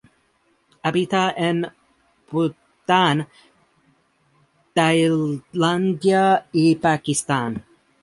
Habita en Bután, Tailandia y Pakistán.